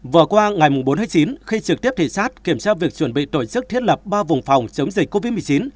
vừa qua ngày bốn chín khi trực tiếp thể xác kiểm tra việc chuẩn bị tổ chức thiết lập ba vùng phòng chống dịch covid một mươi chín